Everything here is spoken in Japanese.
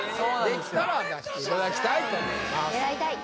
できたら出していただきたいと思います